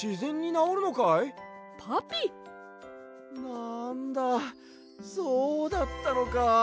なんだそうだったのか。